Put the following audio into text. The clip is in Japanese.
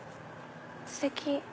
ステキ！